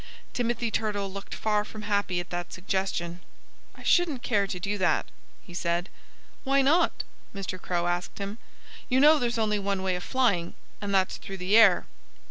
Timothy Turtle looked far from happy at that suggestion. "I shouldn't care to do that," he said. "Why not?" Mr. Crow asked him. "You know there's only one way of flying, and that's through the air."